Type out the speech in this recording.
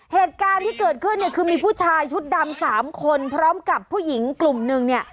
เหตุการณ์ที่เกิดขึ้นคือมีผู้ชายชุดดำ๓คนพร้อมกับผู้หญิงกลุ่มหนึ่ง